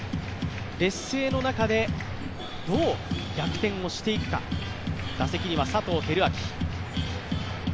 劣勢の中でどう逆転をしていくか打席には佐藤輝明。